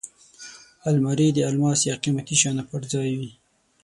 الماري د الماس یا قېمتي شیانو پټ ځای وي